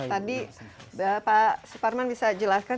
tadi pak suparman bisa jelaskan